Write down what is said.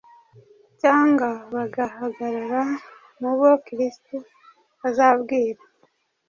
cyangwa bagahagarara mu bo Kristo azabwira